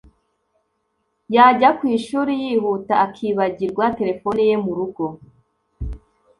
yajya ku ishuri yihuta akibagirirwa telefoni ye mu rugo